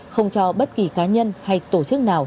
không cho bất kỳ cá nhân hay tổ chức nào